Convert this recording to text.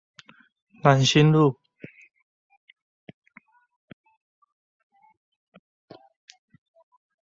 楠梓路